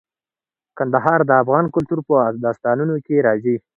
کندهار د افغان کلتور په داستانونو کې راځي.